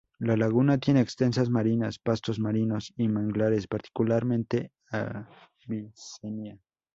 La laguna tiene extensas marinas, pastos marinos y manglares, particularmente Avicennia.